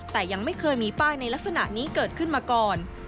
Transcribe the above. แต่ยังไม่เคยมีป้ายในลักษณะนี้เกิดขึ้นมาก่อน